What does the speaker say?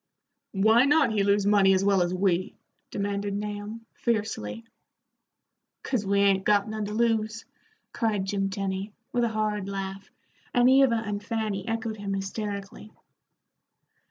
"Why not he lose money as well as we?" demanded Nahum, fiercely. "'Cause we 'ain't got none to lose," cried Jim Tenny, with a hard laugh, and Eva and Fanny echoed him hysterically.